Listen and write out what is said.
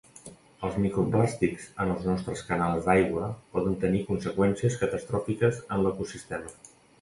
Els microplàstics en els nostres canals d'aigua poden tenir conseqüències catastròfiques en l'ecosistema.